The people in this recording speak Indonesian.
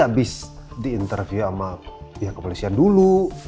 abis diinterview sama yang kepolisian dulu